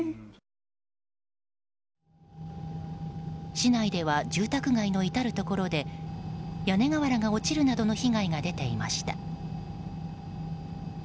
市内では住宅街の至るところで屋根瓦が落ちるなどの被害が出ていました。